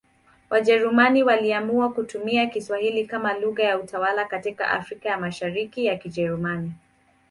Wajerumani waliamua kutumia Kiswahili kama lugha ya utawala katika Afrika ya Mashariki ya Kijerumani.